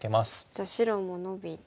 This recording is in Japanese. じゃあ白もノビて。